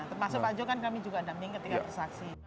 termasuk pak jo kan kami juga daming ketika tersaksi